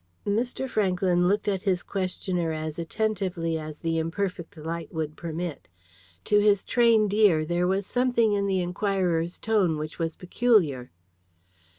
Mr. Franklyn looked at his questioner as attentively as the imperfect light would permit. To his trained ear there was something in the inquirer's tone which was peculiar.